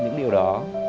những điều đó